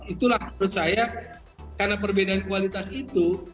itulah menurut saya karena perbedaan kualitas itu